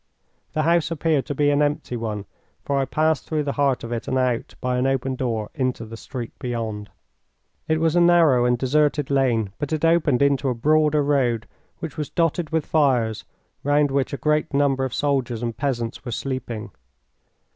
The house appeared to be an empty one, for I passed through the heart of it and out, by an open door, into the street beyond. It was a narrow and deserted lane, but it opened into a broader road, which was dotted with fires, round which a great number of soldiers and peasants were sleeping.